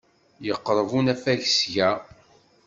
Yeqreb unafag seg-a.